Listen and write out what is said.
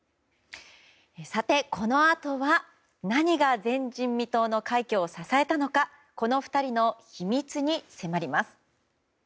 このあとは何が前人未到の快挙を支えたのかこの２人の秘密に迫ります。